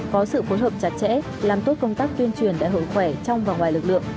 có sự phối hợp chặt chẽ làm tốt công tác tuyên truyền đại hội khỏe trong và ngoài lực lượng